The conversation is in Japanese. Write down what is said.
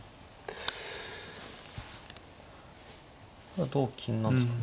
これは同金なんですか。